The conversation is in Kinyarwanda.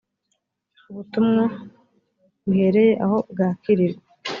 ubutumwa buhereye aho bwakirirwa